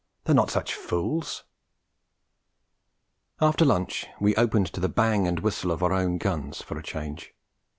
They are not such fools ...' After lunch we opened to the bang and whistle of our own guns, for a change.